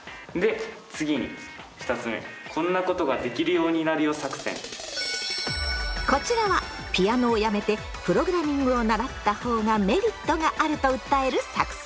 あなるほどね。こちらはピアノをやめてプログラミングを習った方がメリットがあると訴える作戦。